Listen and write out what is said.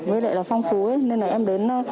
với lại là phong phú nên là em đến